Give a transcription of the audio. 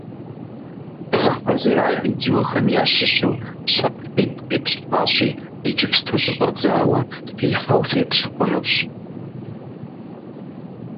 Дгъэхьэзыра видеохэм ящыщу щапхъитӀ къитлъхьащи, иджыпсту щыщӀэдзауэ фихьэу феплъ хъунущ.